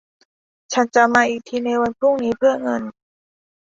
ฉันจะมาอีกทีในวันพรุ่งนี้เพื่อเงิน